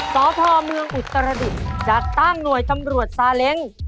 สพเมืองอุตรดิษฐ์จัดตั้งหน่วยตำรวจซาเล้ง